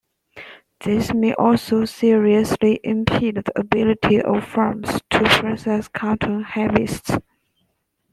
This may also seriously impede the ability of farms to process cotton harvests.